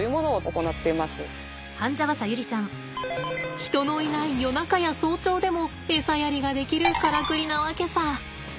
人のいない夜中や早朝でもエサやりができるからくりなわけさ。